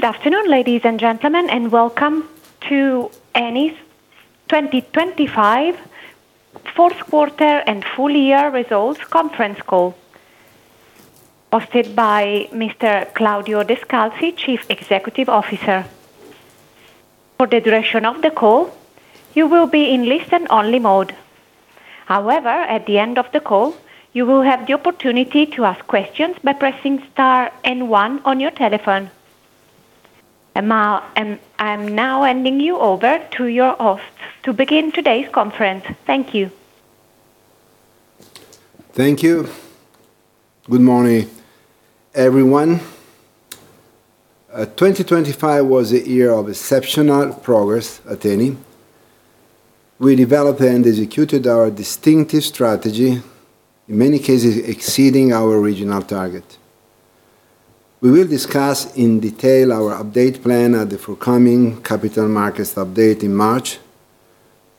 Good afternoon, ladies and gentlemen, welcome to Eni's 2025 Fourth Quarter and Full-Year Results Conference Call, hosted by Mr. Claudio Descalzi, Chief Executive Officer. For the duration of the call, you will be in listen-only mode. However, at the end of the call, you will have the opportunity to ask questions by pressing star and one on your telephone. I'm now handing you over to your host to begin today's conference. Thank you. Thank you. Good morning, everyone. 2025 was a year of exceptional progress at Eni. We developed and executed our distinctive strategy, in many cases, exceeding our original target. We will discuss in detail our update plan at the forthcoming capital markets update in March,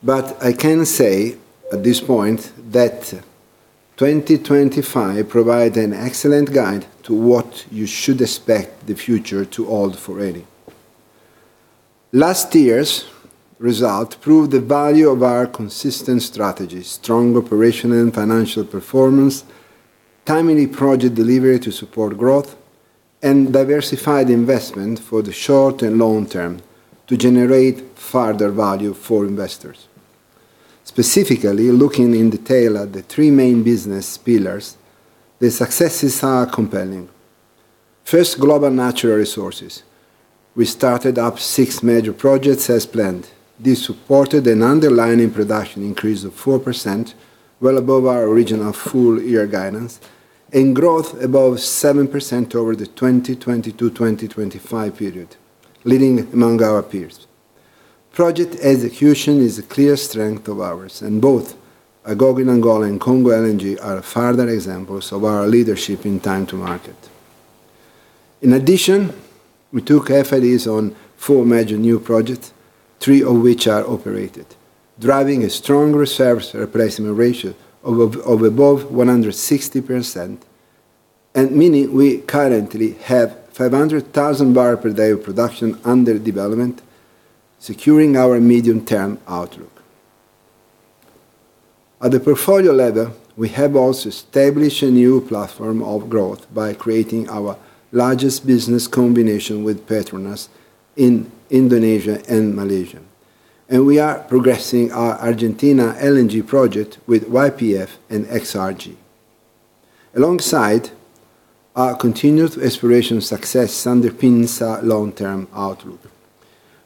but I can say at this point that 2025 provided an excellent guide to what you should expect the future to hold for Eni. Last year's result proved the value of our consistent strategy, strong operational and financial performance, timely project delivery to support growth, and diversified investment for the short and long term to generate further value for investors. Specifically, looking in detail at the three main business pillars, the successes are compelling. First, global natural resources. We started up six major projects as planned. This supported an underlying production increase of 4%, well above our original full-year guidance, and growth above 7% over the 2020 to 2025 period, leading among our peers. Project execution is a clear strength of ours. Both Agogo in Angola and Congo LNG are further examples of our leadership in time to market. In addition, we took FID on four major new projects, three of which are operated, driving a strong reserves replacement ratio of above 160%, and meaning we currently have 500,000 bbl per day of production under development, securing our medium-term outlook. At the portfolio level, we have also established a new platform of growth by creating our largest business combination with PETRONAS in Indonesia and Malaysia. We are progressing our Argentina LNG project with YPF and XRG. Alongside, our continued exploration success underpins our long-term outlook.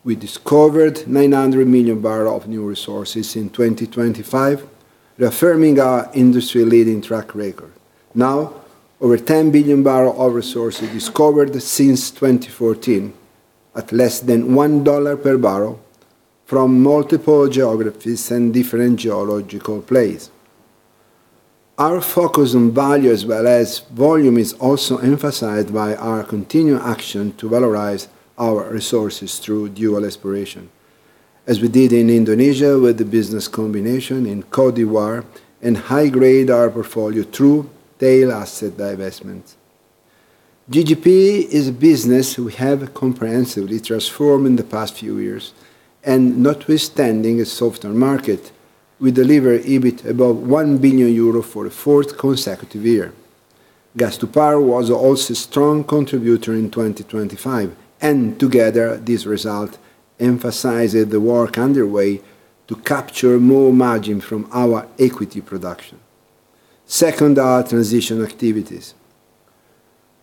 We discovered 900 million bbl of new resources in 2025, reaffirming our industry-leading track record. Now, over 10 billion bbl of resources discovered since 2014 at less than $1 per barrel from multiple geographies and different geological plays. Our focus on value as well as volume is also emphasized by our continued action to valorize our resources through Dual Exploration, as we did in Indonesia with the business combination in Côte d'Ivoire and high-grade our portfolio through tail asset divestments. GGP is a business we have comprehensively transformed in the past few years, notwithstanding a softer market, we deliver EBIT above 1 billion euro for a fourth consecutive year. Gas to Power was also a strong contributor in 2025, together, this result emphasized the work underway to capture more margin from our equity production. Second are transition activities.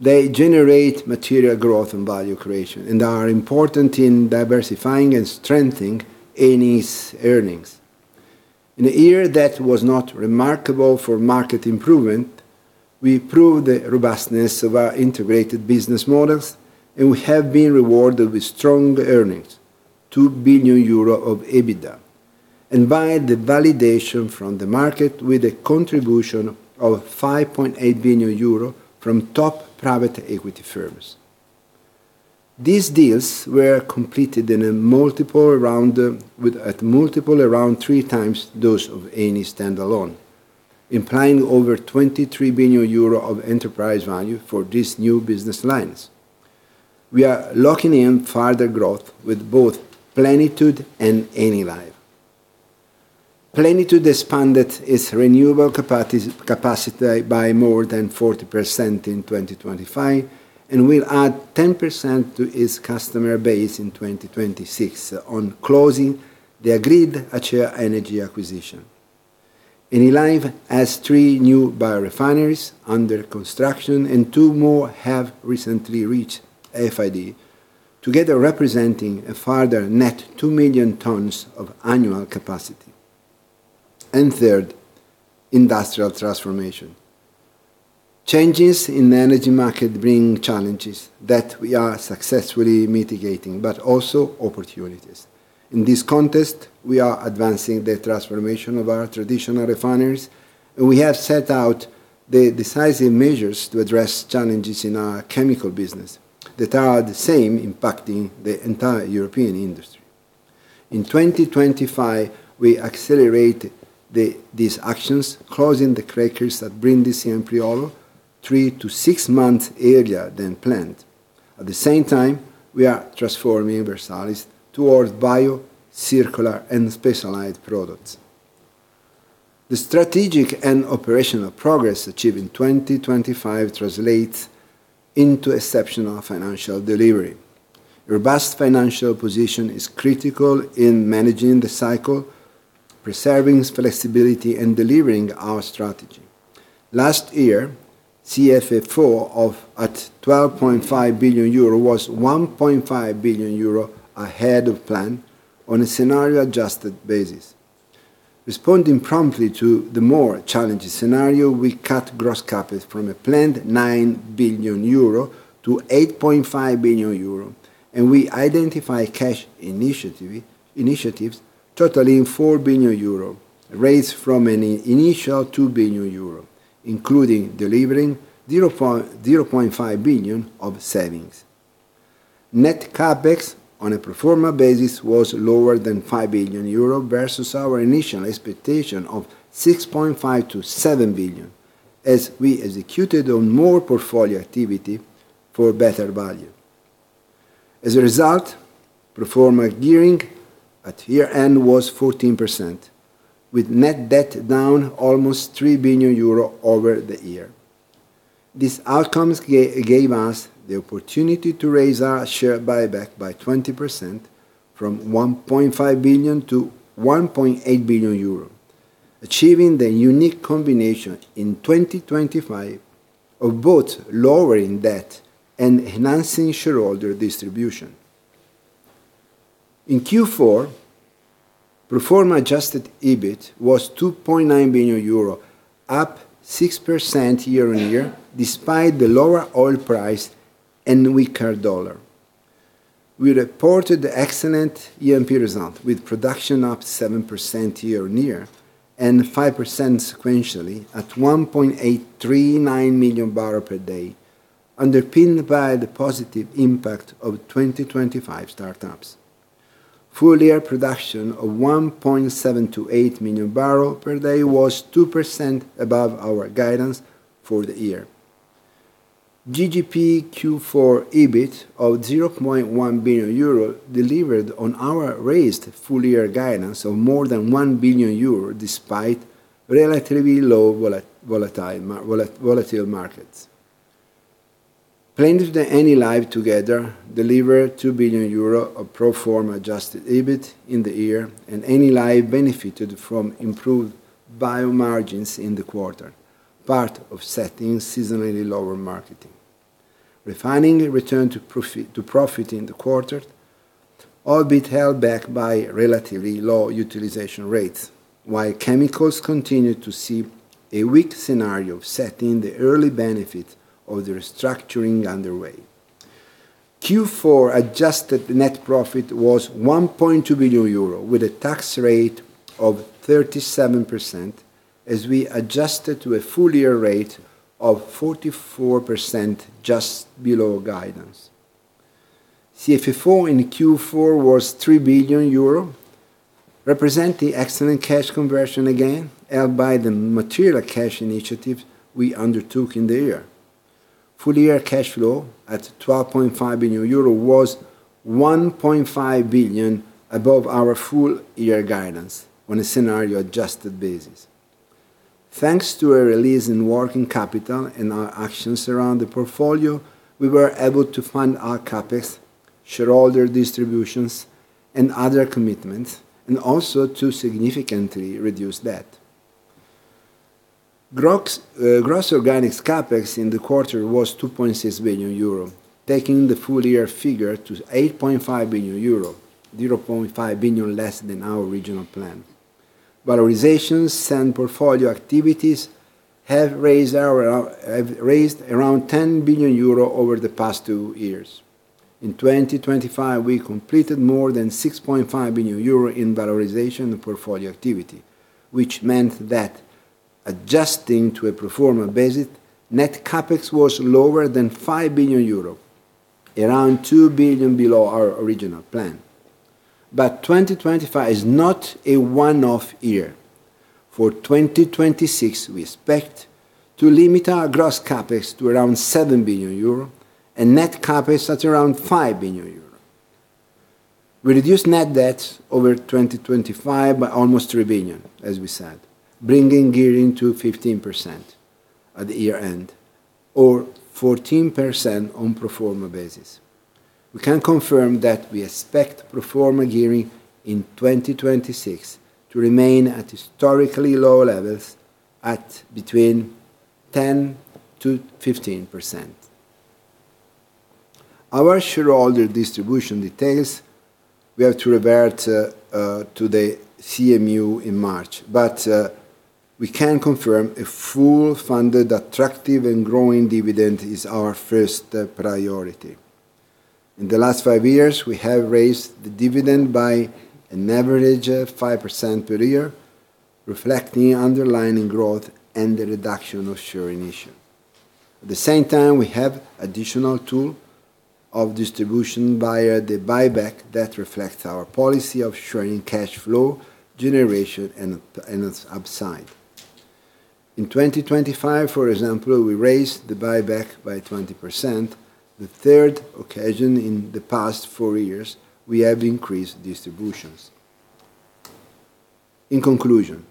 They generate material growth and value creation and are important in diversifying and strengthening Eni's earnings. In a year that was not remarkable for market improvement, we proved the robustness of our integrated business models. We have been rewarded with strong earnings, 2 billion euro of EBITDA, and by the validation from the market with a contribution of 5.8 billion euro from top private equity firms. These deals were completed in a multiple around, with at multiple around three times those of Eni standalone, implying over 23 billion euro of enterprise value for these new business lines. We are locking in further growth with both Plenitude and Enilive. Plenitude expanded its renewable capacity by more than 40% in 2025 and will add 10% to its customer base in 2026 on closing the agreed Archer Energy acquisition. Enilive has three new biorefineries under construction, and two more have recently reached FID, together representing a further net 2 million tons of annual capacity. Third, industrial transformation. Changes in the energy market bring challenges that we are successfully mitigating, but also opportunities. In this context, we are advancing the transformation of our traditional refineries, and we have set out the decisive measures to address challenges in our chemical business that are the same impacting the entire European industry. In 2025, we accelerated these actions, closing the crackers at Brindisi and Priolo three to six months earlier than planned. At the same time, we are transforming Versalis towards bio, circular, and specialized products. The strategic and operational progress achieved in 2025 translates into exceptional financial delivery. Robust financial position is critical in managing the cycle, preserving flexibility, and delivering our strategy. Last year, CFFO of at 12.5 billion euro was 1.5 billion euro ahead of plan on a scenario-adjusted basis. Responding promptly to the more challenging scenario, we cut gross CapEx from a planned 9 billion-8.5 billion euro, and we identified cash initiatives totaling 4 billion euro, raised from an initial 2 billion euro, including delivering 0.5 billion of savings. Net CapEx on a pro forma basis was lower than 5 billion euro versus our initial expectation of 6.5 billion-7 billion, as we executed on more portfolio activity for better value. As a result, pro forma gearing at year-end was 14%, with net debt down almost 3 billion euro over the year. These outcomes gave us the opportunity to raise our share buyback by 20% from 1.5 billion to 1.8 billion euro, achieving the unique combination in 2025 of both lowering debt and enhancing shareholder distribution. In Q4, pro forma adjusted EBIT was 2.9 billion euro, up 6% year-on-year, despite the lower oil price and weaker dollar. We reported excellent E&P result, with production up 7% year-on-year and 5% sequentially at 1.839 million bbl per day, underpinned by the positive impact of 2025 startups. Full-year production of 1.728 million bbl per day was 2% above our guidance for the year. GGP Q4 EBIT of 0.1 billion euro delivered on our raised full-year guidance of more than 1 billion euro, despite relatively low volatile markets. Planned Enilive together delivered 2 billion euro of pro forma adjusted EBIT in the year. Enilive benefited from improved bio margins in the quarter, part of setting seasonally lower marketing. Refining returned to profit in the quarter, albeit held back by relatively low utilization rates, while chemicals continued to see a weak scenario, setting the early benefit of the restructuring underway. Q4 adjusted net profit was 1.2 billion euro, with a tax rate of 37%, as we adjusted to a full-year rate of 44%, just below guidance. CFFO in Q4 was 3 billion euro, representing excellent cash conversion again, helped by the material cash initiatives we undertook in the year. Full-year cash flow at 12.5 billion euro was 1.5 billion above our full-year guidance on a scenario-adjusted basis. Thanks to a release in working capital and our actions around the portfolio, we were able to fund our CapEx, shareholder distributions, and other commitments, also to significantly reduce debt. Gross organic CapEx in the quarter was 2.6 billion euro, taking the full-year figure to 8.5 billion euro, 0.5 billion less than our original plan. Valorizations and portfolio activities have raised around 10 billion euro over the past two years. In 2025, we completed more than 6.5 billion euro in valorization and portfolio activity, which meant that adjusting to a pro forma basis, net CapEx was lower than 5 billion euros, around 2 billion below our original plan. 2025 is not a one-off year. For 2026, we expect to limit our gross CapEx to around 7 billion euro and net CapEx at around 5 billion euro. We reduced net debt over 2025 by almost 3 billion, as we said, bringing gearing to 15% at the year-end or 14% on pro forma basis. We can confirm that we expect pro forma gearing in 2026 to remain at historically low levels at between 10%-15%. Our shareholder distribution details, we have to revert to the CMU in March, but we can confirm a full, funded, attractive, and growing dividend is our first priority. In the last five years, we have raised the dividend by an average of 5% per year, reflecting underlying growth and the reduction of share initiation. At the same time, we have additional tool of distribution via the buyback that reflects our policy of sharing cash flow, generation, and upside. In 2025, for example, we raised the buyback by 20%, the third occasion in the past four years we have increased distributions. In conclusion,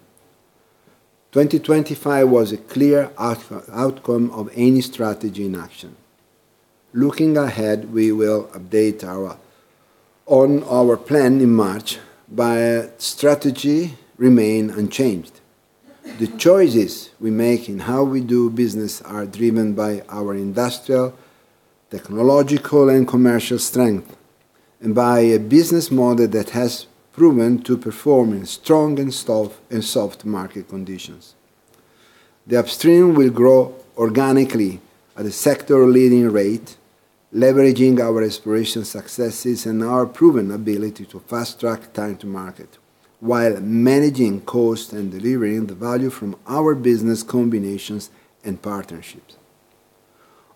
2025 was a clear outcome of Eni strategy in action. Looking ahead, we will update on our plan in March. Strategy remain unchanged. The choices we make in how we do business are driven by our industrial, technological, and commercial strength, and by a business model that has proven to perform in strong and soft market conditions. The upstream will grow organically at a sector-leading rate, leveraging our exploration successes and our proven ability to fast-track time to market, while managing cost and delivering the value from our business combinations and partnerships.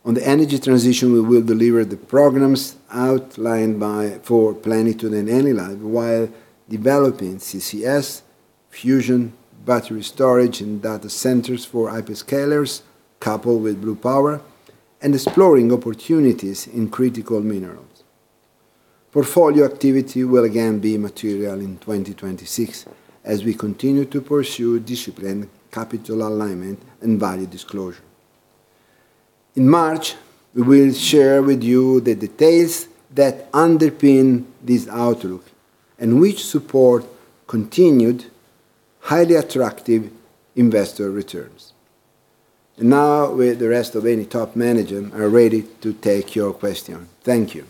On the energy transition, we will deliver the programs outlined for Plenitude and Enilive, while developing CCS, fusion, battery storage, and data centers for hyperscalers, coupled with blue power and exploring opportunities in critical minerals. Portfolio activity will again be material in 2026 as we continue to pursue disciplined capital alignment and value disclosure. In March, we will share with you the details that underpin this outlook and which support continued highly attractive investor returns. Now, with the rest of Eni top management, are ready to take your question. Thank you.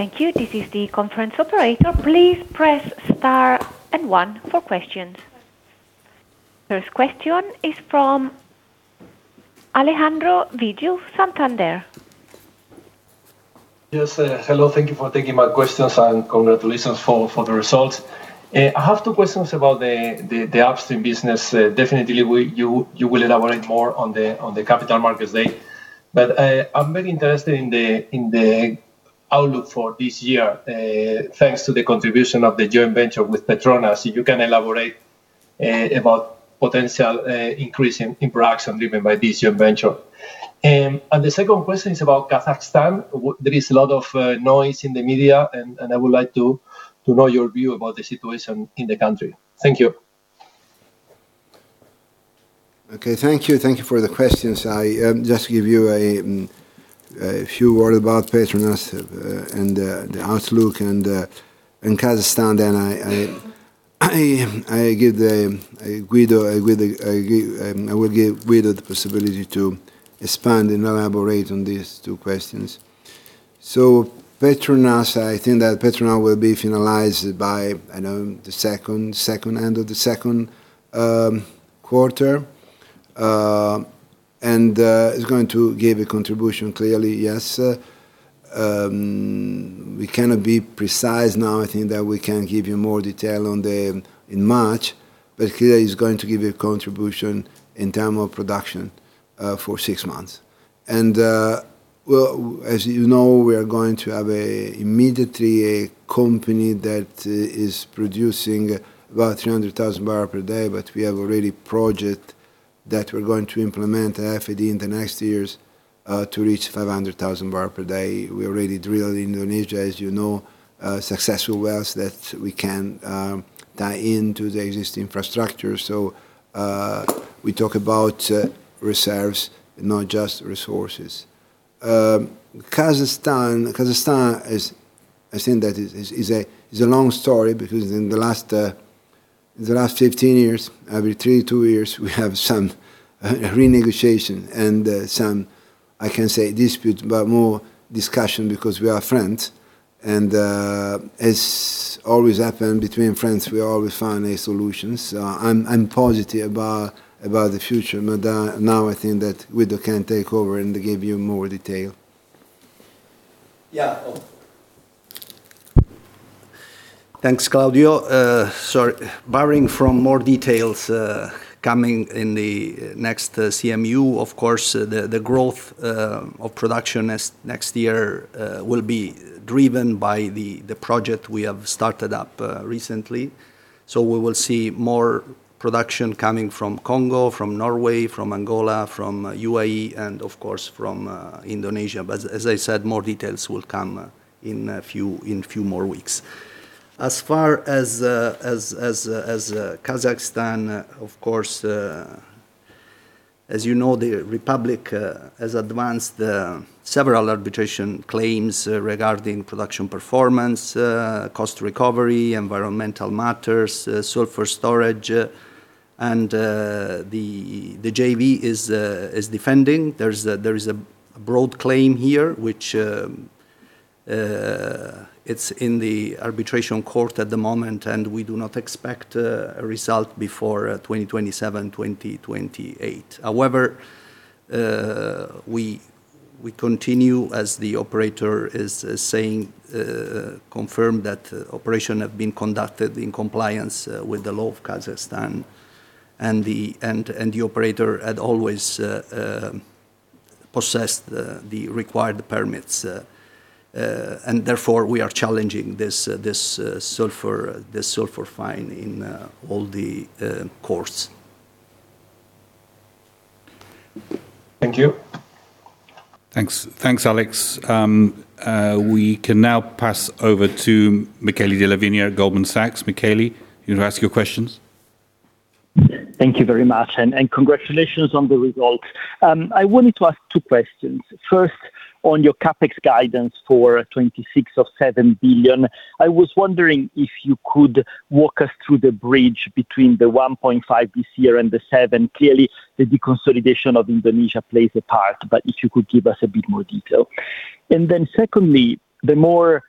Thank you. This is the conference operator. Please press star and one for questions. First question is from Alejandro Vigil, Santander. Yes, hello, thank you for taking my questions, and congratulations for the results. I have two questions about the upstream business. Definitely, you will elaborate more on the Capital Markets Day. I'm very interested in the outlook for this year, thanks to the contribution of the joint venture with PETRONAS. You can elaborate about potential increase in production driven by this joint venture? The second question is about Kazakhstan. There is a lot of noise in the media, and I would like to know your view about the situation in the country. Thank you. Okay, thank you. Thank you for the questions. I just give you a few word about PETRONAS and the outlook and Kazakhstan, and I give the Guido, I give the, I will give Guido the possibility to expand and elaborate on these two questions. PETRONAS, I think that PETRONAS will be finalized by, I know, the second end of the second quarter. It's going to give a contribution, clearly, yes. We cannot be precise now. I think that we can give you more detail on the, in March, but clearly it's going to give a contribution in term of production for six months. Well, as you know, we are going to have a immediately a company that is producing about 300,000 bbl per day, but we have already project that we're going to implement after in the next years to reach 500,000 bbl per day. We already drilled Indonesia, as you know, successful wells that we can tie into the existing infrastructure. We talk about reserves, not just resources. Kazakhstan. I think that is a long story because in the last 15 years, every three, two years, we have some, a renegotiation and some, I can say, disputes, but more discussion because we are friends and as always happen between friends, we always find a solutions. I'm positive about the future, but now I think that Guido can take over and give you more detail. Yeah. Oh. Thanks, Claudio. Barring from more details coming in the next CMU, of course, the growth of production as next year will be driven by the project we have started up recently. We will see more production coming from Congo, from Norway, from Angola, from UAE, and of course, from Indonesia. As I said, more details will come in a few more weeks. As far as Kazakhstan, of course, as you know, the Republic has advanced several arbitration claims regarding production performance, cost recovery, environmental matters, sulfur storage, and the JV is defending. There's a, there is a broad claim here, which, it's in the arbitration court at the moment, and we do not expect a result before 2027, 2028. However, we continue, as the operator is saying, confirm that operation have been conducted in compliance with the law of Kazakhstan, and the operator had always possessed the required permits. Therefore, we are challenging this sulfur fine in all the courts. Thank you. Thanks, Alex. We can now pass over to Michele Della Vigna at Goldman Sachs. Michele, you want to ask your questions? Thank you very much, and congratulations on the results. I wanted to ask two questions. First, on your CapEx guidance for 6 billion-7 billion, I was wondering if you could walk us through the bridge between the 1.5 billion this year and the 7 billion. Clearly, the deconsolidation of Indonesia plays a part, but if you could give us a bit more detail. Secondly, the more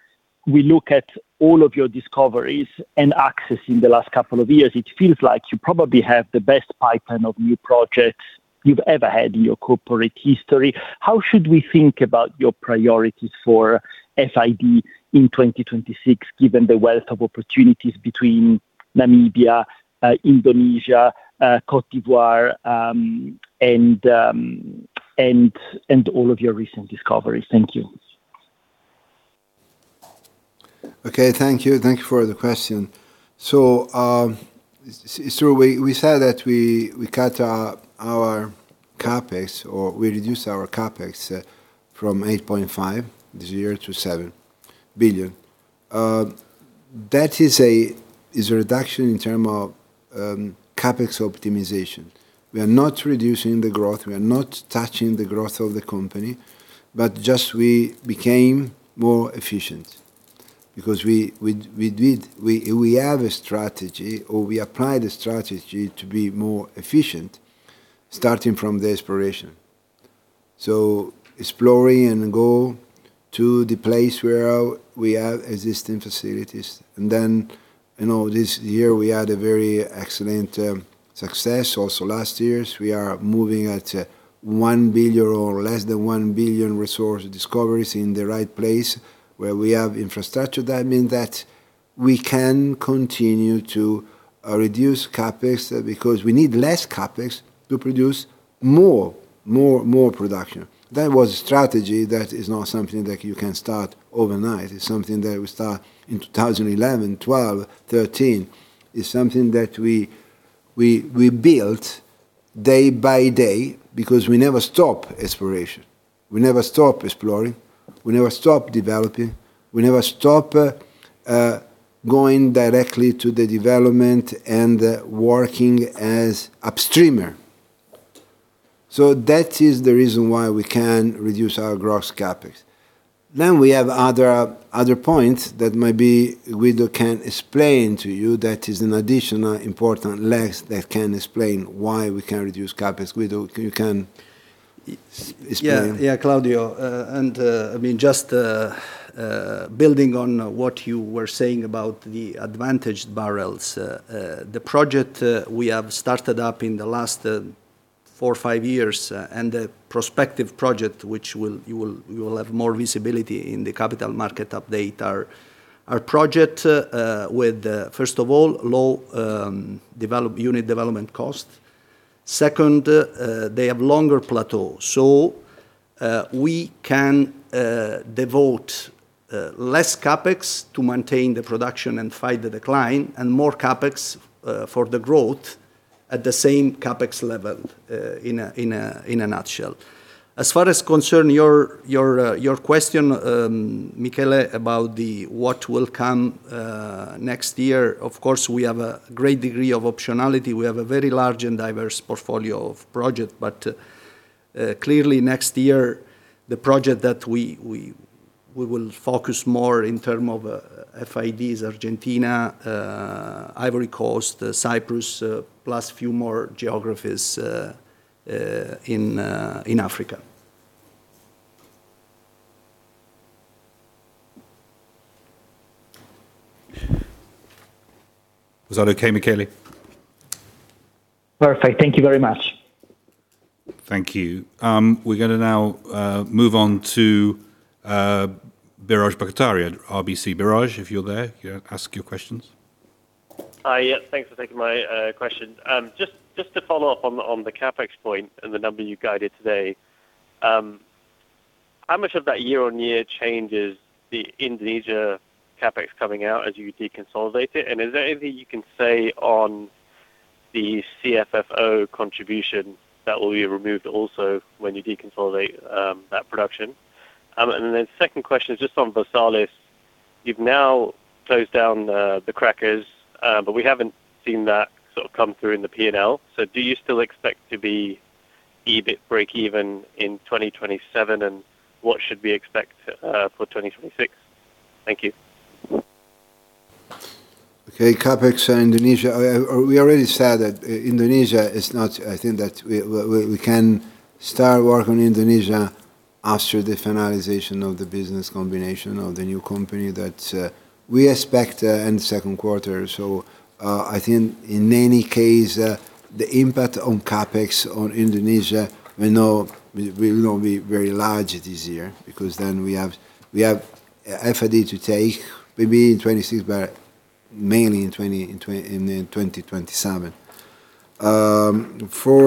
we look at all of your discoveries and access in the last couple of years, it feels like you probably have the best pipeline of new projects you've ever had in your corporate history. How should we think about your priorities for FID in 2026, given the wealth of opportunities between Namibia, Indonesia, Côte d'Ivoire, and all of your recent discoveries? Thank you. Okay. Thank you. Thank you for the question. It's true, we said that we cut our CapEx, or we reduced our CapEx, from 8.5 billion this year to 7 billion. That is a reduction in term of CapEx optimization. We are not reducing the growth, we are not touching the growth of the company, but just we became more efficient because we have a strategy, or we applied a strategy to be more efficient, starting from the exploration. Exploring and go to the place where we have existing facilities, and then, you know, this year we had a very excellent success. Also last year's, we are moving at 1 billion or less than 1 billion resource discoveries in the right place where we have infrastructure. That mean that we can continue to reduce CapEx, because we need less CapEx to produce more production. That was a strategy that is not something that you can start overnight. It's something that we start in 2011, 2012, 2013. It's something that we built day by day because we never stop exploration. We never stop exploring. We never stop developing. We never stop going directly to the development and working as upstreamer. That is the reason why we can reduce our gross CapEx. We have other points that maybe Guido can explain to you that is an additional important layers that can explain why we can reduce CapEx. Guido, you can explain. Yeah, yeah, Claudio, and, I mean, just building on what you were saying about the advantaged bbl. The project we have started up in the last four or five years, and the prospective project, which you will have more visibility in the capital market update, are project with, first of all, low unit development cost. Second, they have longer plateau. We can devote less CapEx to maintain the production and fight the decline, and more CapEx for the growth at the same CapEx level, in a nutshell. As far as concern your, your question, Michele, about the what will come next year, of course, we have a great degree of optionality. We have a very large and diverse portfolio of project, but clearly, next year, the project that we will focus more in term of FIDs, Argentina, Ivory Coast, Cyprus, plus few more geographies in Africa. Was that okay, Michele? Perfect. Thank you very much. Thank you. We're gonna now move on to Biraj Borkhataria, RBC. Biraj, if you're there, you ask your questions. Hi. Thanks for taking my question. Just to follow up on the CapEx point and the number you guided today, how much of that year-on-year change is the Indonesia CapEx coming out as you deconsolidate it? Is there anything you can say on the CFFO contribution that will be removed also when you deconsolidate that production? The second question is just on Versalis. You've now closed down the crackers, but we haven't seen that sort of come through in the P&L. Do you still expect to be EBIT breakeven in 2027, and what should we expect for 2026? Thank you. Okay, CapEx and Indonesia, we already said that Indonesia is not, I think that we can start work on Indonesia after the finalization of the business combination of the new company that we expect in the second quarter. I think in any case, the impact on CapEx on Indonesia, we know will not be very large this year, because we have FID to take maybe in 2026, but mainly in 2027. For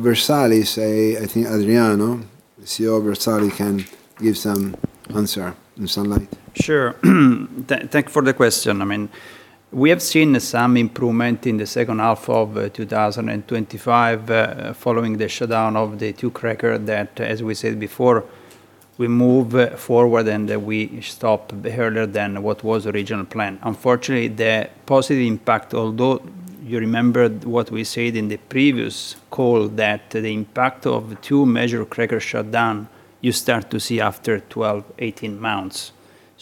Versalis, I think Adriano, the CEO of Versalis, can give some answer, some light. Sure. Thank you for the question. I mean, we have seen some improvement in the second half of 2025, following the shutdown of the two cracker that, as we said before, we move forward and we stop earlier than what was original plan. Unfortunately, the positive impact, although you remember what we said in the previous call, that the impact of the two measure cracker shutdown, you start to see after 12, 18 months.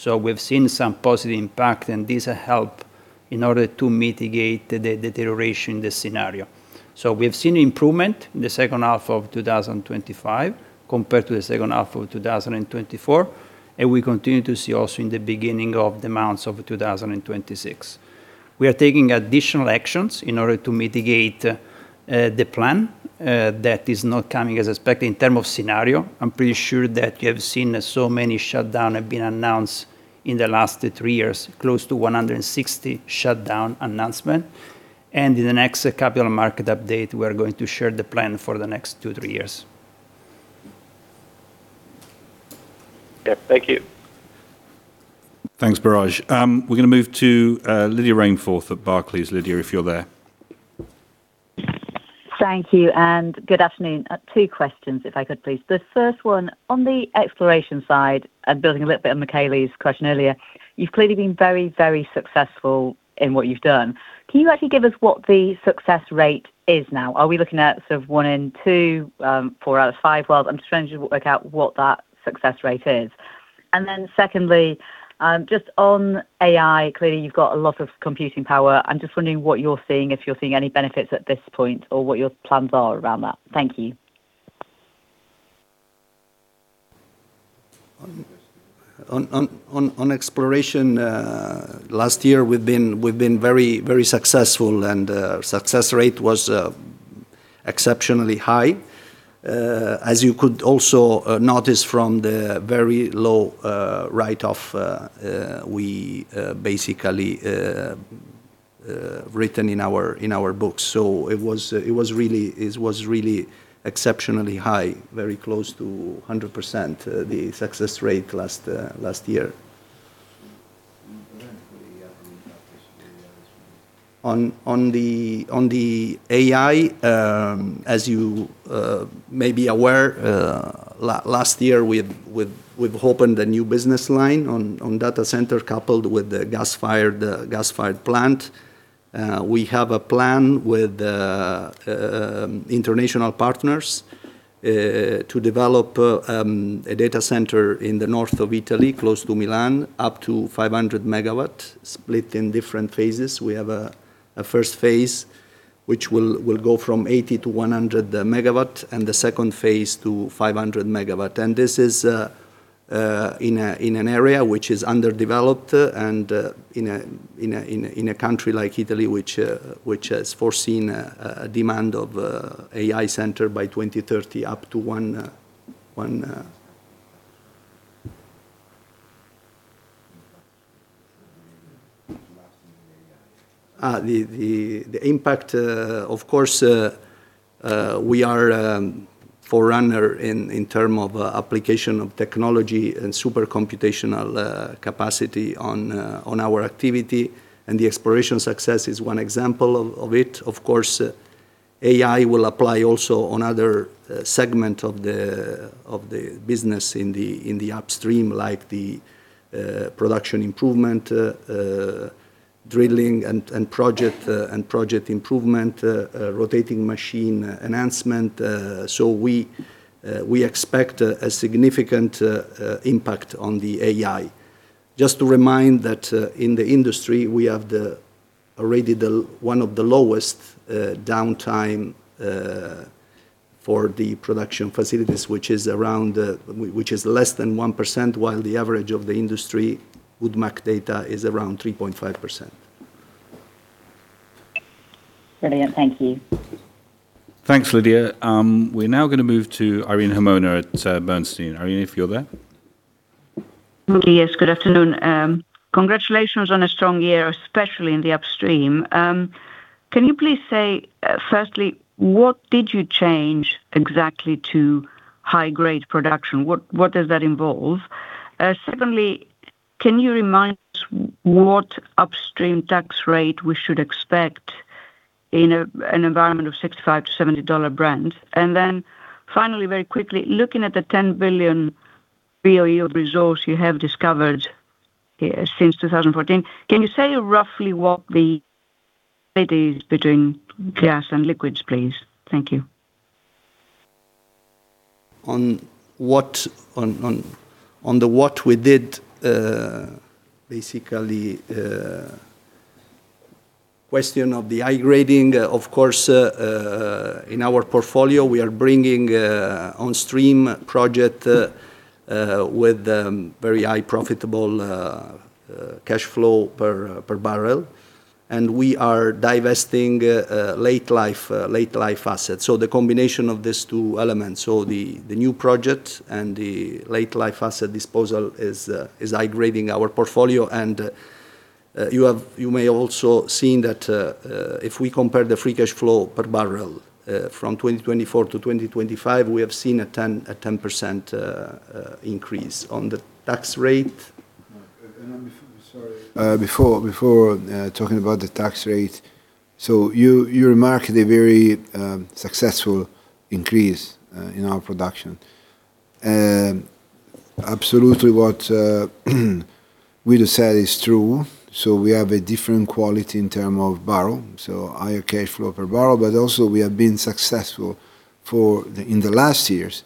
We've seen some positive impact, and these help in order to mitigate the deterioration in the scenario. We've seen improvement in the second half of 2025 compared to the second half of 2024, and we continue to see also in the beginning of the months of 2026. We are taking additional actions in order to mitigate, the plan, that is not coming as expected. In term of scenario, I'm pretty sure that you have seen so many shutdown have been announced in the last three years, close to 160 shutdown announcement. In the next capital market update, we are going to share the plan for the next two, three years. Thank you. Thanks, Biraj. We're gonna move to Lydia Rainforth at Barclays. Lydia, if you're there. Thank you. Good afternoon. Two questions, if I could, please. The first one, on the exploration side, building a little bit on Michele's question earlier, you've clearly been very, very successful in what you've done. Can you actually give us what the success rate is now? Are we looking at sort of one in two, four out of five? Well, I'm just trying to work out what that success rate is. Secondly, just on AI, clearly, you've got a lot of computing power. I'm just wondering what you're seeing, if you're seeing any benefits at this point or what your plans are around that. Thank you. Exploration last year, we've been very successful, and success rate was exceptionally high. As you could also notice from the very low write-off we basically written in our books. It was really exceptionally high, very close to 100%, the success rate last year. The AI, as you may be aware, last year, we've opened a new business line on data center, coupled with the gas-fired plant. We have a plan with international partners to develop a data center in the north of Italy, close to Milan, up to 500 MW, split in different phases. We have a first phase, which will go from 80 MW to 100 MW, and the second phase to 500 MW. This is in an area which is underdeveloped and in a country like Italy, which has foreseen a demand of AI center by 2030. The impact, of course, we are forerunner in term of application of technology and super computational capacity on our activity, and the exploration success is one example of it. Of course, AI will apply also on other segment of the business in the upstream, like the production improvement, drilling and project improvement, rotating machine enhancement. We expect a significant impact on the AI. Just to remind that in the industry, we have already the one of the lowest downtime for the production facilities, which is around which is less than 1%, while the average of the industry with MAC data is around 3.5%. Brilliant. Thank you. Thanks, Lydia. We're now gonna move to Irene Himona at Bernstein. Irene, if you're there? Yes, good afternoon. Congratulations on a strong year, especially in the upstream. Can you please say, firstly, what did you change exactly to high-grade production? What, what does that involve? Secondly, can you remind us what upstream tax rate we should expect in an environment of $65-$70 Brent? Finally, very quickly, looking at the 10 billion boe resource you have discovered since 2014, can you say roughly what the split is between gas and liquids, please? Thank you. On what, on the what we did, basically question of the high grading, of course, in our portfolio, we are bringing on stream project with very high profitable cash flow per barrel, and we are divesting late life assets. So the combination of these two elements, so the new project and the late life asset disposal is high grading our portfolio and you may also seen that if we compare the free cash flow per barrel from 2024 to 2025, we have seen a 10% increase. On the tax rate? Sorry, before talking about the tax rate, you remarked a very successful increase in our production. Absolutely what Guido said is true. We have a different quality in term of barrel, so higher cash flow per barrel, but also we have been successful in the last years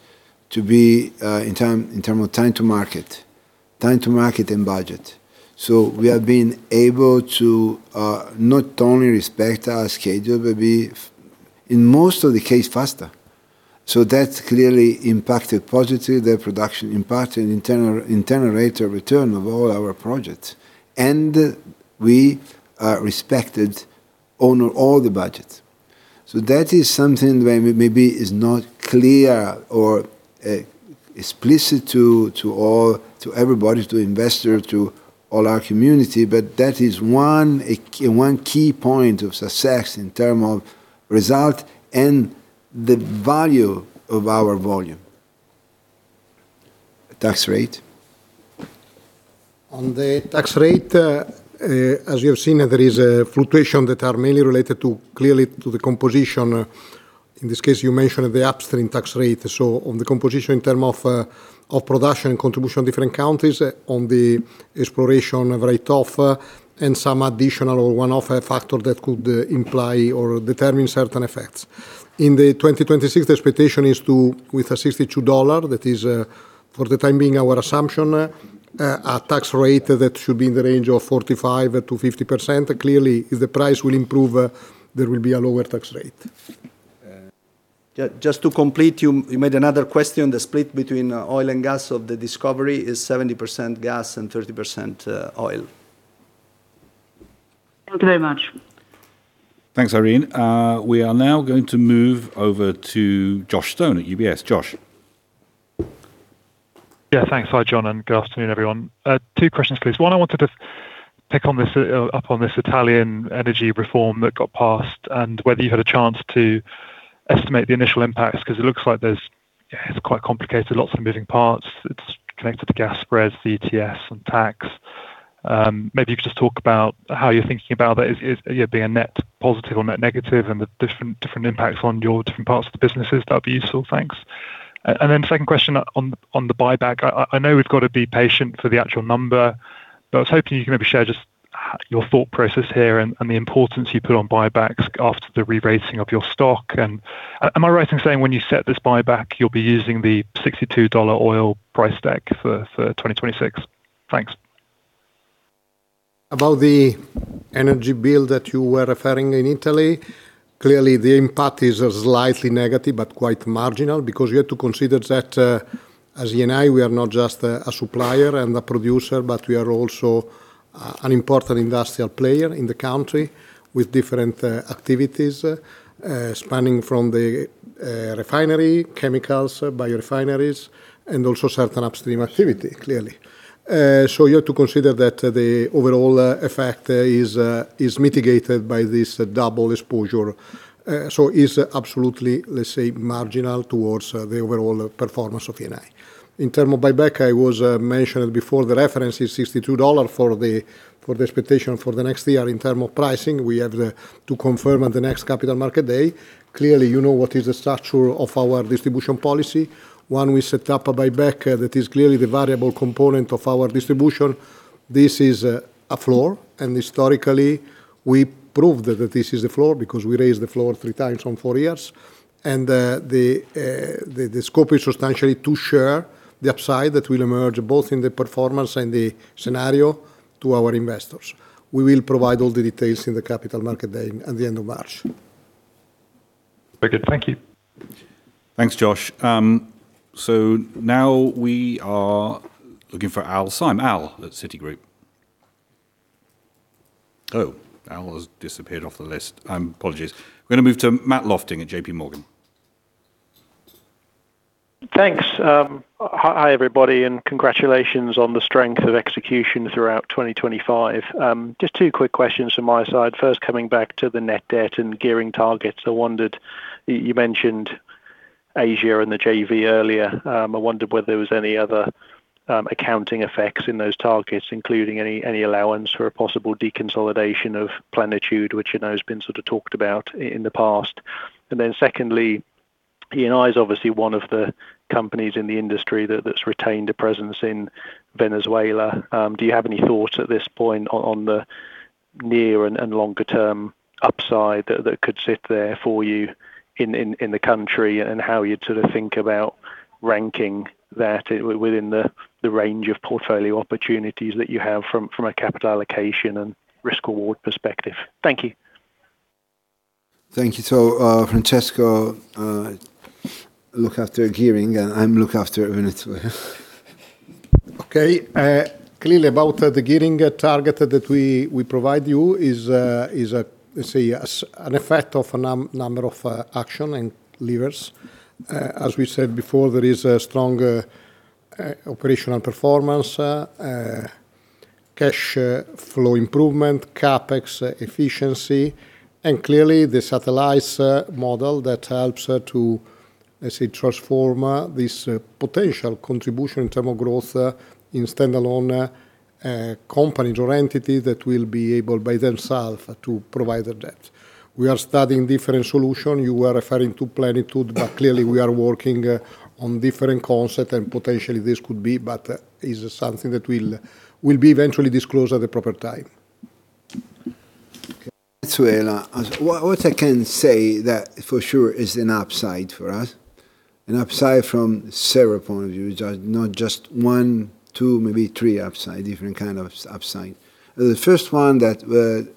to be in term of time to market and budget. We have been able to not only respect our schedule, but be, in most of the case, faster. That clearly impacted positively the production, impacted internal rate of return of all our projects, and we respected on all the budgets. That is something that maybe is not clear or explicit to all, to everybody, to investor, to all our community, but that is one key point of success in term of result and the value of our volume. Tax rate? On the tax rate, as you have seen, there is a fluctuation that are mainly related to, clearly to the composition. In this case, you mentioned the upstream tax rate. On the composition in term of production and contribution of different counties on the exploration rate of, and some additional or one-off factor that could, imply or determine certain effects. In 2026, the expectation is to, with a $62, that is, for the time being, our assumption, a tax rate that should be in the range of 45%-50%. Clearly, if the price will improve, there will be a lower tax rate. Just to complete, you made another question. The split between oil and gas of the discovery is 70% gas and 30% oil. Thank you very much. Thanks, Irene. We are now going to move over to Josh Stone at UBS. Josh? Yeah, thanks. Hi, Jon, and good afternoon, everyone. Two questions, please. One, I wanted to pick up on this Italian energy reform that got passed and whether you had a chance to estimate the initial impacts, 'cause it looks like there's. It's quite complicated, lots of moving parts. It's connected to gas spreads, ETS and tax. Maybe you could just talk about how you're thinking about that. Is it a net positive or net negative, and the different impacts on your different parts of the businesses? That'd be useful. Thanks. Second question on the buyback. I know we've got to be patient for the actual number, but I was hoping you could maybe share just your thought process here and the importance you put on buybacks after the rerating of your stock. Am I right in saying when you set this buyback, you'll be using the $62 oil price deck for 2026? Thanks. About the energy bill that you were referring in Italy, clearly, the impact is slightly negative but quite marginal because you have to consider that, as Eni, we are not just a supplier and a producer, but we are also an important industrial player in the country with different activities, spanning from the refinery, chemicals, biorefineries, and also certain upstream activity, clearly. You have to consider that the overall effect is mitigated by this double exposure. Is absolutely, let's say, marginal towards the overall performance of Eni. In term of buyback, I was mentioning before, the reference is $62 for the expectation for the next year. In term of pricing, we have to confirm at the next Capital Market Day. Clearly, you know what is the structure of our distribution policy. One, we set up a buyback that is clearly the variable component of our distribution. This is a floor, and historically, we proved that this is a floor because we raised the floor three times in four years. The scope is substantially to share the upside that will emerge both in the performance and the scenario to our investors. We will provide all the details in the Capital Market Day at the end of March. Very good. Thank you. Thanks, Josh. Now we are looking for Alastair Syme. Al at Citigroup. Oh, Al has disappeared off the list. Apologies. We're going to move to Matt Lofting at JPMorgan. Thanks. Hi, everybody, congratulations on the strength of execution throughout 2025. Just two quick questions from my side. First, coming back to the net debt and gearing targets, I wondered, you mentioned Asia and the JV earlier. I wondered whether there was any other accounting effects in those targets, including any allowance for a possible deconsolidation of Plenitude, which I know has been sort of talked about in the past. Secondly, Eni is obviously one of the companies in the industry that's retained a presence in Venezuela. Do you have any thoughts at this point on the near- and longer-term upside that could sit there for you in the country, and how you'd sort of think about ranking that within the range of portfolio opportunities that you have from a capital allocation and risk award perspective? Thank you. Thank you. Francesco, look after gearing, and I'm look after Venezuela. Okay, clearly about the gearing target that we provide you is a, let's say, as an effect of a number of action and levers. As we said before, there is a strong operational performance, cash flow improvement, CapEx efficiency, and clearly the satellites model that helps to, let's say, transform this potential contribution in term of growth in standalone companies or entities that will be able by themselves to provide the debt. We are studying different solution. You were referring to Plenitude, but clearly we are working on different concept and potentially this could be, but is something that will be eventually disclosed at the proper time. Okay. Well, what I can say that for sure is an upside for us, an upside from several point of view, which are not just one, two, maybe three upside, different kind of upside. The first one that,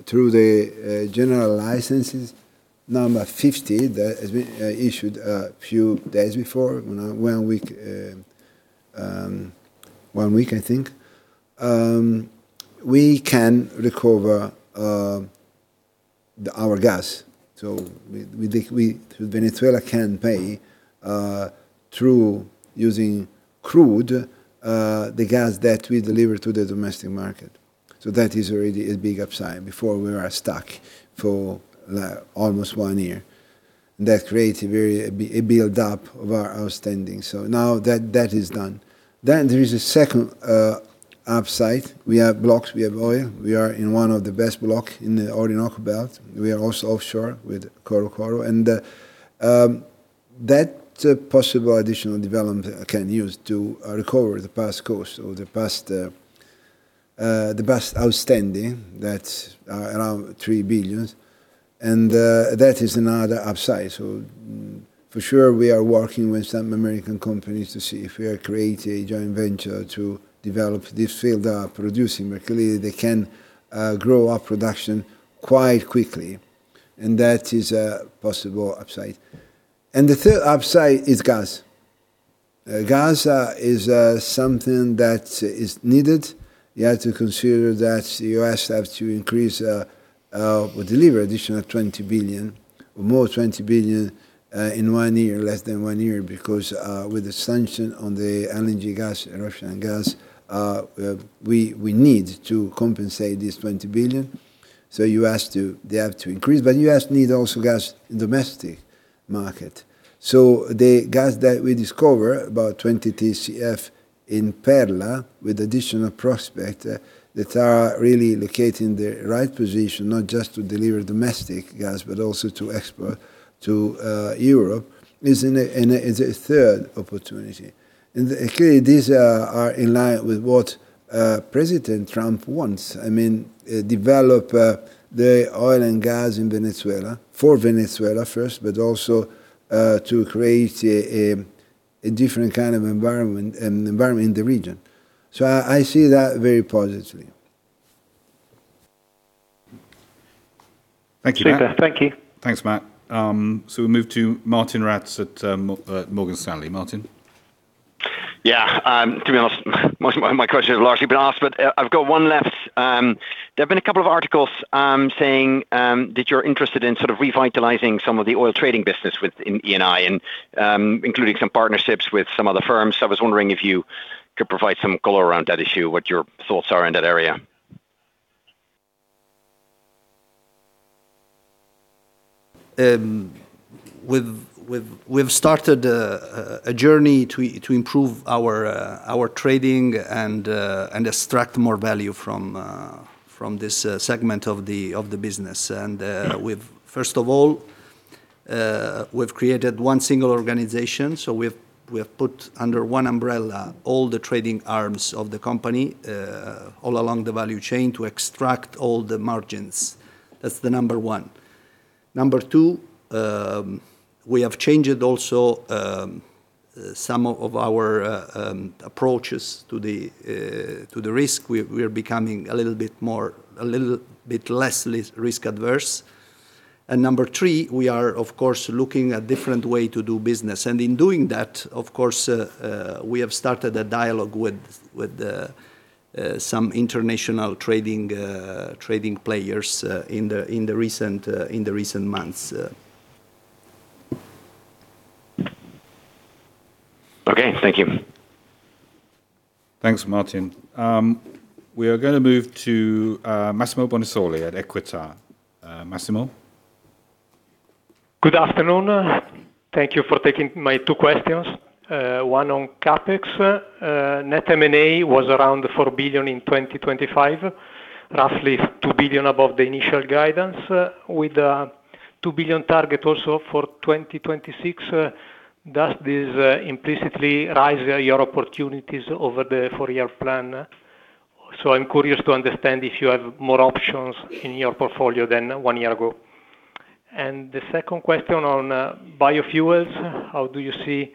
through the General License, number 50, that has been issued a few days before, you know, one week, I think. We can recover our gas. Venezuela can pay through using crude the gas that we deliver to the domestic market. That is already a big upside. Before, we were stuck for almost one year. That created a build-up of our outstanding. Now that is done. There is a second upside. We have blocks, we have oil. We are in one of the best block in the Orinoco Belt. We are also offshore with Corocoro. That possible additional development can use to recover the past cost or the past outstanding, that's around 3 billion, and that is another upside. For sure, we are working with some American companies to see if we are create a joint venture to develop this field that are producing. Clearly, they can grow our production quite quickly, and that is a possible upside. The third upside is gas. Gas is something that is needed. You have to consider that the US has to increase, or deliver additional $20 billion, more $20 billion, in one year, less than one year, because with the sanction on the energy gas, Russian gas, we need to compensate this $20 billion. U.S. they have to increase, but U.S. need also gas domestic market. The gas that we discover, about 20 TCF in Perla, with additional prospect, that are really located in the right position, not just to deliver domestic gas, but also to export to Europe, is a third opportunity. Clearly, these are in line with what President Trump wants. I mean, develop the oil and gas in Venezuela, for Venezuela first, but also, to create a different kind of environment in the region. I see that very positively. Thank you, Matt. Thank you. Thanks, Matt. We move to Martijn Rats at Morgan Stanley. Martin? Yeah, to be honest, most my questions have largely been asked, but I've got one left. There have been a couple of articles saying that you're interested in sort of revitalizing some of the Oil Trading business within Eni, and including some partnerships with some other firms. I was wondering if you could provide some color around that issue, what your thoughts are in that area? We've started a journey to improve our trading and extract more value from this segment of the business. First of all, we've created one single organization. We have put under one umbrella all the trading arms of the company, all along the value chain to extract all the margins. That's number one. Number two, we have changed also some of our approaches to the risk. We are becoming a little bit less risk adverse. Number three, we are, of course, looking at different way to do business.In doing that, of course, we have started a dialogue with some international trading players, in the recent months. Okay, thank you. Thanks, Martin. We are going to move to Massimo Bonisoli at Equita. Massimo? Good afternoon. Thank you for taking my two questions. One on CapEx. Net M&A was around $4 billion in 2025, roughly $2 billion above the initial guidance, with 2 billion target also for 2026, does this implicitly rise your opportunities over the four-year plan? I'm curious to understand if you have more options in your portfolio than one-year ago. The second question on biofuels. How do you see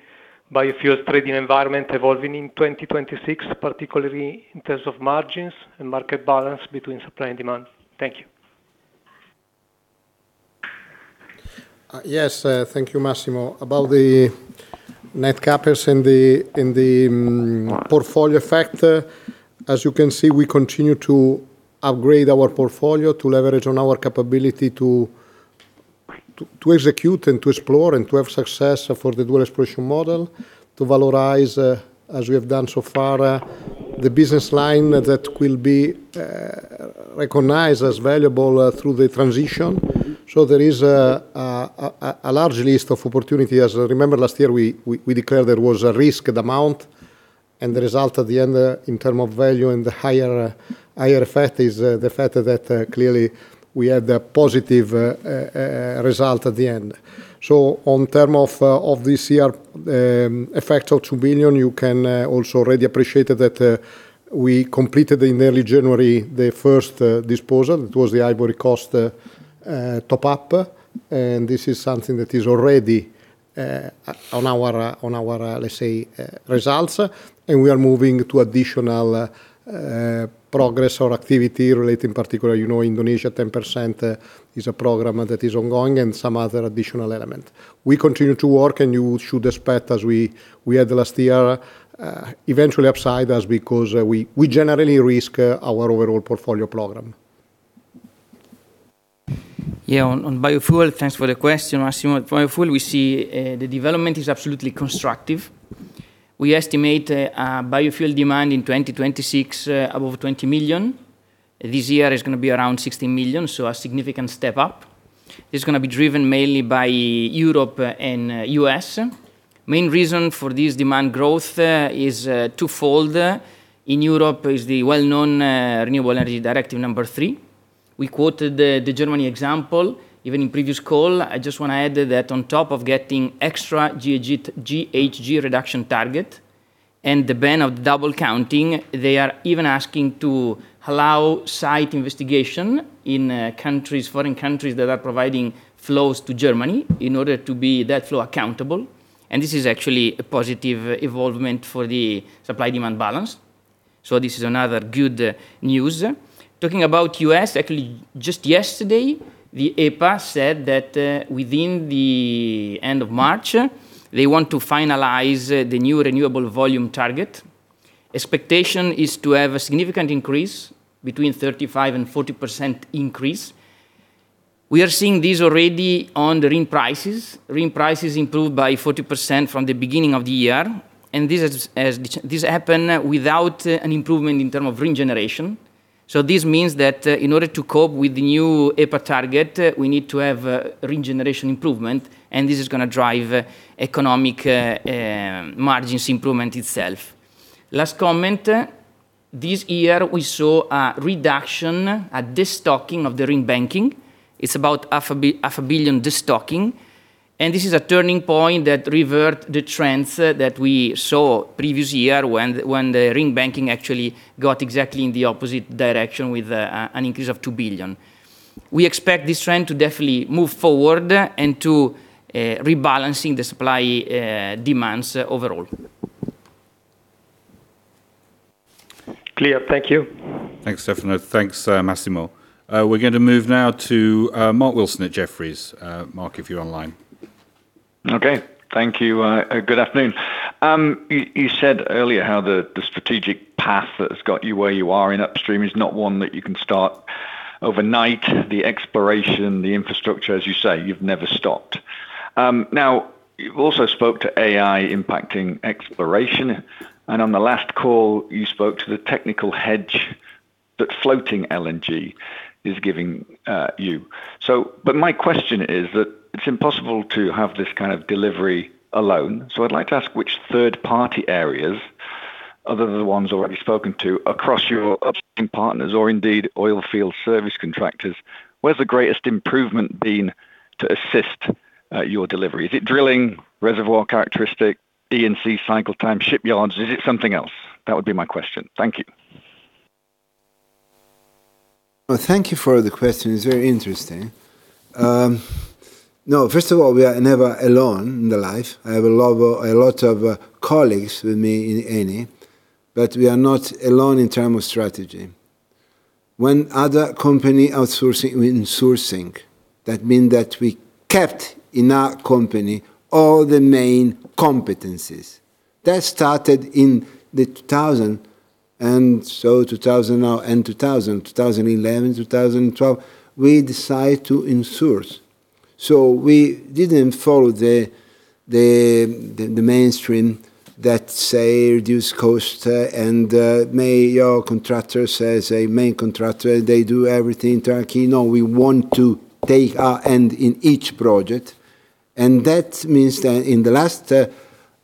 biofuel trading environment evolving in 2026, particularly in terms of margins and market balance between supply and demand? Thank you. Yes, thank you, Massimo. About the net CapEx in the portfolio factor, as you can see, we continue to upgrade our portfolio to leverage on our capability to execute and to explore and to have success for the Dual Exploration Model, to valorize, as we have done so far, the business line that will be recognized as valuable through the transition. There is a large list of opportunity. As I remember last year, we declared there was a risk amount, and the result at the end, in term of value and the higher effect is the fact that clearly we had a positive result at the end. On term of this year, effect of 2 billion, you can also already appreciate that we completed in early January, the first disposal. It was the Ivory Coast top up, and this is something that is already on our on our let's say results. We are moving to additional progress or activity related in particular, you know, Indonesia, 10%, is a program that is ongoing and some other additional element. We continue to work, and you should expect as we had last year, eventually upside as because we generally risk our overall portfolio program. Yeah, on biofuel, thanks for the question, Massimo. Biofuel, we see the development is absolutely constructive. We estimate biofuel demand in 2026 above 20 million. This year is going to be around 16 million, a significant step up. It's going to be driven mainly by Europe and U.S. Main reason for this demand growth is twofold. In Europe, is the well-known Renewable Energy Directive number three. We quoted the Germany example, even in previous call. I just want to add that on top of getting extra GHG reduction target and the ban of double counting, they are even asking to allow site investigation in foreign countries that are providing flows to Germany in order to be that flow accountable. This is actually a positive evolvement for the supply-demand balance. This is another good news. Talking about U.S., actually, just yesterday, the EPA said that, within the end of March, they want to finalize the new renewable volume target. Expectation is to have a significant increase, between 35% and 40% increase. We are seeing this already on the RIN prices. RIN prices improved by 40% from the beginning of the year, this happened without an improvement in term of RIN generation. This means that, in order to cope with the new EPA target, we need to have a RIN generation improvement, and this is going to drive economic margins improvement itself. Last comment, this year, we saw a reduction, a destocking of the RIN banking. It's about 500 million destocking, this is a turning point that revert the trends that we saw previous year when the RIN banking actually got exactly in the opposite direction with an increase of 2 billion. We expect this trend to definitely move forward and to rebalancing the supply demands overall. Clear. Thank you. Thanks, Stefano. Thanks, Massimo. We're going to move now to Mark Wilson at Jefferies. Mark, if you're online. Okay. Thank you. good afternoon. you said earlier how the strategic path that has got you where you are in upstream is not one that you can start overnight. The exploration, the infrastructure, as you say, you've never stopped. Now, you also spoke to AI impacting exploration, on the last call, you spoke to the technical hedge that floating LNG is giving you. My question is that it's impossible to have this kind of delivery alone. I'd like to ask which third-party areas other than the ones already spoken to, across your upstream partners or indeed, oil field service contractors, where's the greatest improvement been to assist your delivery? Is it drilling, reservoir characteristic, E&C cycle time, shipyards? Is it something else? That would be my question. Thank you. Thank you for the question. It's very interesting. No, first of all, we are never alone in the life. I have a lot of colleagues with me in Eni, we are not alone in term of strategy. When other company outsourcing, we insourcing, that mean that we kept in our company all the main competencies. That started in the 2000, and so 2000 now and 2000, 2011, 2012, we decide to insource. We didn't follow the mainstream that say, reduce cost, and may your contractors as a main contractor, they do everything turnkey. We want to take our end in each project, that means that in the last,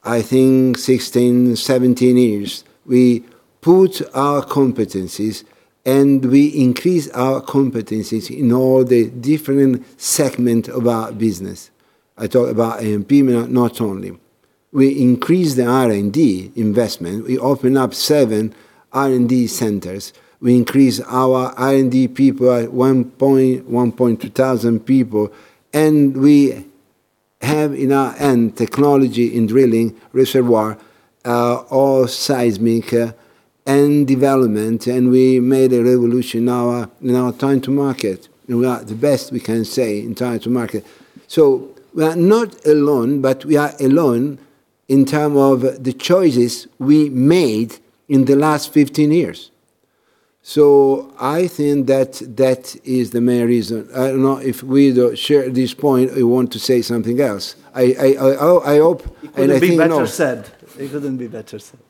I think 16, 17 years, we put our competencies and we increase our competencies in all the different segment of our business. I talk about AMP, not only. We increase the R&D investment, we open up seven R&D centers, we increase our R&D people at 1200 people, we have in our end, technology in drilling reservoir, or seismic, and development, we made a revolution in our time to market. We are the best, we can say, in time to market. We are not alone, we are alone in term of the choices we made in the last 15 years. I think that is the main reason. I don't know if we share this point or want to say something else. I hope, I think- It couldn't be better said. It couldn't be better said.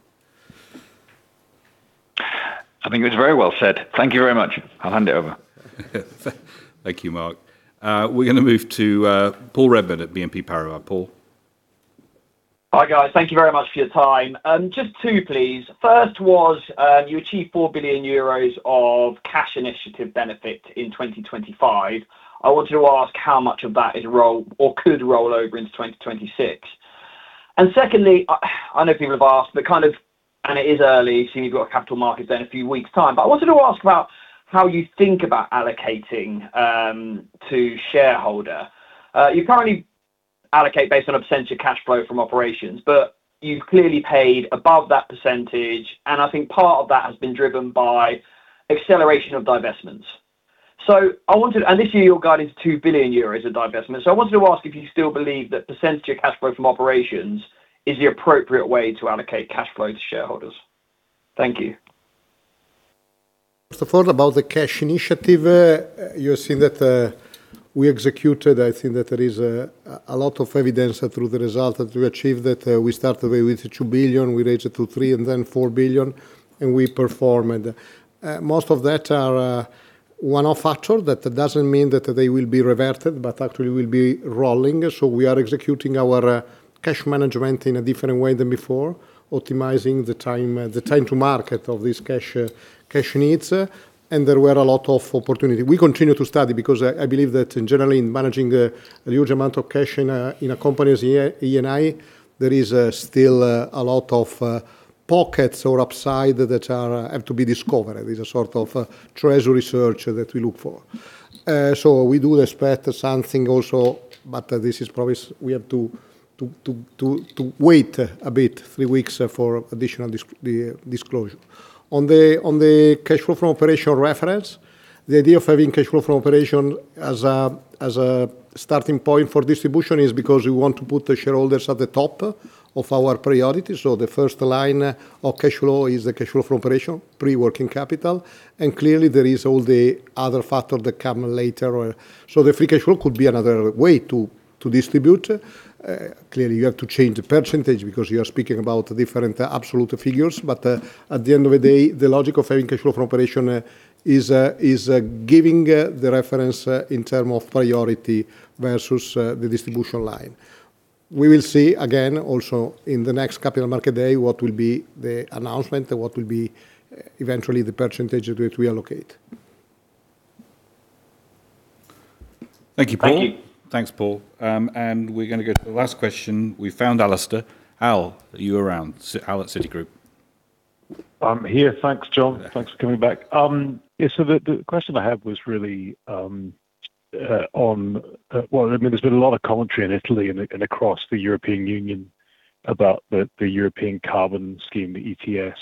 I think it was very well said. Thank you very much. I'll hand it over. Thank you, Mark. We're gonna move to Paul Redman at BNP Paribas. Paul? Hi, guys. Thank you very much for your time. Just two, please. First was, you achieved 4 billion euros of cash initiative benefit in 2025. I wanted to ask how much of that is roll or could roll over into 2026? Secondly, I know people have asked, but kind of, and it is early, seeing you've got a capital market then a few weeks time. I wanted to ask about how you think about allocating to shareholder. You currently allocate based on percentage of cash flow from operations, but you've clearly paid above that percentage, and I think part of that has been driven by acceleration of divestments. This year, your guide is 2 billion euros of divestment. I wanted to ask if you still believe that percentage of cash flow from operations is the appropriate way to allocate cash flow to shareholders? Thank you. First of all, about the cash initiative, you've seen that we executed. I think that there is a lot of evidence through the result that we achieved, that we start away with 2 billion, we raised it to 3 billion and then 4 billion, and we performed. Most of that are one-off factor. That doesn't mean that they will be reverted, but actually will be rolling. We are executing our cash management in a different way than before, optimizing the time to market of these cash needs, and there were a lot of opportunity. We continue to study because I believe that in generally, in managing a huge amount of cash in a company's Eni, there is still a lot of pockets or upside that are have to be discovered. There's a sort of treasury search that we look for. We do expect something also, but this is probably. We have to wait a bit, three weeks, for additional disclosure. On the cash flow from operation reference, the idea of having cash flow from operation as a starting point for distribution is because we want to put the shareholders at the top of our priority. The first line of cash flow is the cash flow from operation, pre-working capital, and clearly, there is all the other factor that come later on. The free cash flow could be another way to distribute. Clearly, you have to change the percentage because you are speaking about different absolute figures, but at the end of the day, the logic of having cash flow from operation is giving the reference in term of priority versus the distribution line. We will see again, also in the next capital market day, what will be the announcement and what will be eventually the percentage that we allocate. Thank you, Paul. Thank you. Thanks, Paul. We're gonna go to the last question. We found Alastair. Al, are you around? Al at Citigroup. I'm here. Thanks, Jon. Thanks for coming back. Yeah, the question I had was really on. Well, I mean, there's been a lot of commentary in Italy and across the European Union about the European Carbon Scheme, the ETS.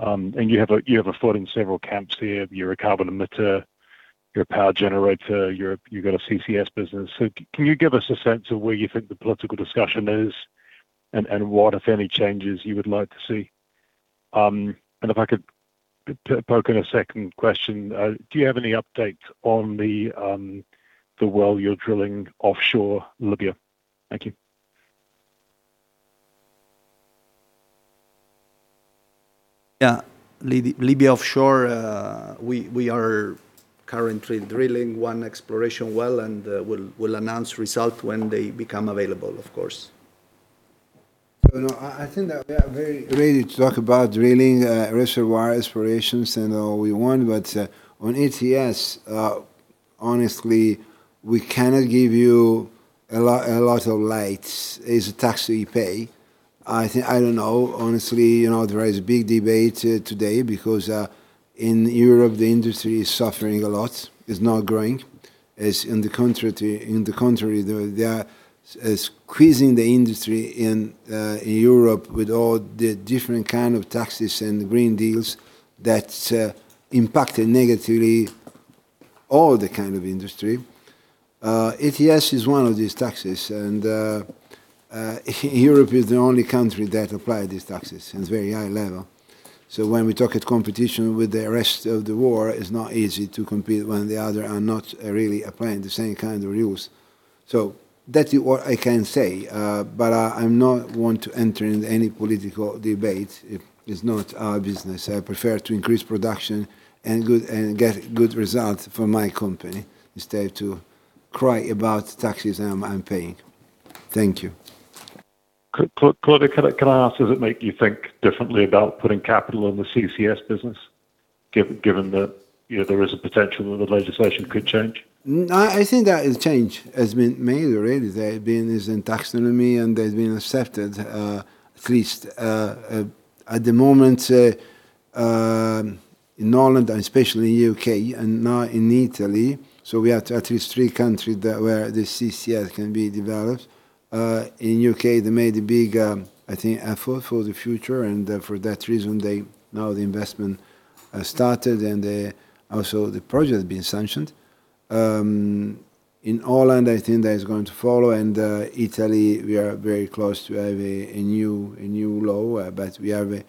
You have a foot in several camps here. You're a carbon emitter, you're a power generator, you got a CCS business. Can you give us a sense of where you think the political discussion is, and what, if any, changes you would like to see? If I could poke in a second question, do you have any update on the well you're drilling offshore Libya? Thank you. Libya offshore, we are currently drilling one exploration well, and we'll announce result when they become available, of course. No, I think that we are very ready to talk about drilling, reservoir explorations and all we want, but on ETS, honestly, we cannot give you a lot of light. It's a tax that you pay. I don't know. Honestly, you know, there is a big debate today because in Europe, the industry is suffering a lot. It's not growing. In the contrary, they are squeezing the industry in Europe with all the different kind of taxes and green deals that impacted negatively all the kind of industry. ETS is one of these taxes, and Europe is the only country that apply these taxes at a very high level. When we talk at competition with the rest of the world, it's not easy to compete when the other are not really applying the same kind of rules. That is what I can say, but I'm not one to enter into any political debate. It is not our business. I prefer to increase production and good, and get good results for my company, instead to cry about taxes I'm paying. Thank you. Claudio, can I ask, does it make you think differently about putting capital in the CCS business, given that, you know, there is a potential that the legislation could change? I think that is change has been made already. There have been this taxonomy, and there's been accepted, at least, at the moment, in Holland and especially U.K. and now in Italy. We have at least three countries that where the CCS can be developed. In U.K., they made a big, I think, effort for the future, and for that reason, they now the investment started and also the project has been sanctioned. In Holland, I think that is going to follow, and Italy, we are very close to have a new law, but we have a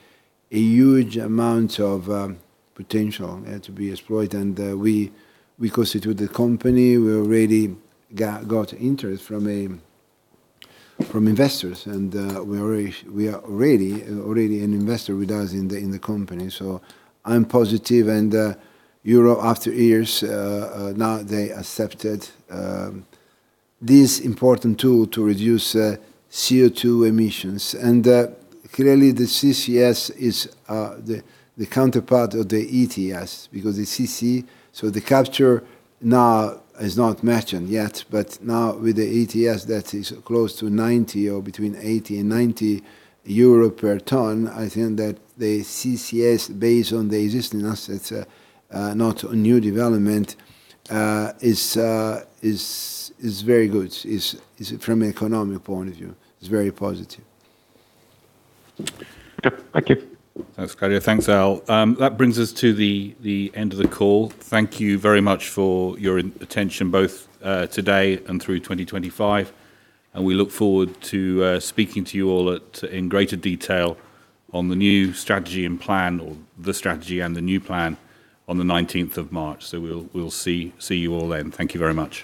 huge amount of potential to be explored. We constitute the company. We already got interest from investors, we are already an investor with us in the company. I'm positive, Europe, after years, now they accepted this important tool to reduce CO2 emissions. Clearly, the CCS is the counterpart of the ETS because so the capture now is not matching yet. Now with the ETS, that is close to 90 or between 80 and 90 euro per ton, I think that the CCS, based on the existing assets, not a new development, is very good. Is from an economic point of view, is very positive. Yep, thank you. Thanks, Claudio. Thanks, Al. That brings us to the end of the call. Thank you very much for your attention, both today and through 2025, and we look forward to speaking to you all at, in greater detail on the new strategy and plan or the strategy and the new plan on the March 19th. We'll see you all then. Thank you very much.